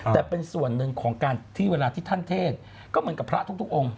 แต่เป็นส่วนหนึ่งของการที่เวลาที่ท่านเทศก็เหมือนกับพระทุกองค์